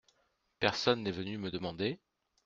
Personne n’est venu me demander ?…